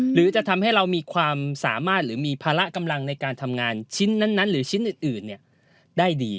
หรือจะทำให้เรามีความสามารถหรือมีภาระกำลังในการทำงานชิ้นนั้นหรือชิ้นอื่นได้ดี